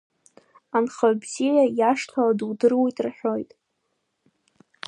Анхаҩ бзиа иашҭала дудыруеит рҳәоит.